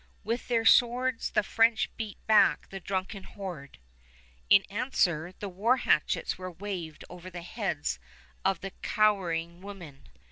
With their swords the French beat back the drunken horde. In answer, the war hatchets were waved over the heads of the cowering women.